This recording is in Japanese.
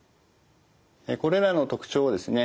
これらの特徴をですね